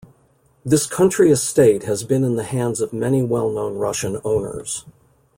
This country estate has been in the hands of many well known Russian owners.